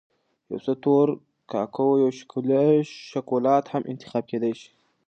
یو څه تور کاکاو یا شکولات هم انتخاب کېدای شي.